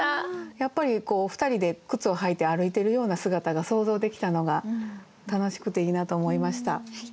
やっぱり２人で靴を履いて歩いてるような姿が想像できたのが楽しくていいなと思いました。